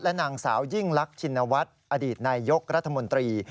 นางสาวยิ่งลักชินวัฒน์อดีตนายยกรัฐมนตรี